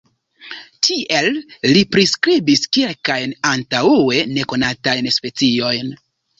Tiel li priskribis kelkajn antaŭe nekonatajn speciojn.